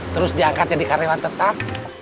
terus diangkat jadi karyawan tetap